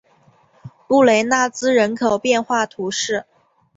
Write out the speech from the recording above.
布雷纳兹人口变化图示